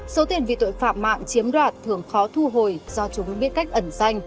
số tiền vì tội phạm mạng chiếm đoạt thường khó thu hồi do chúng biết cách ẩn danh